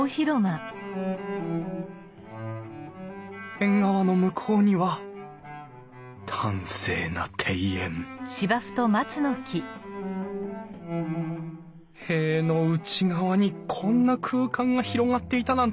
縁側の向こうには端正な庭園塀の内側にこんな空間が広がっていたなんて